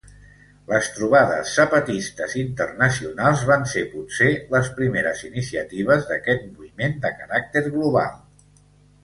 Les trobades zapatistes internacionals van ser potser les primeres iniciatives d'aquest moviment de caràcter global.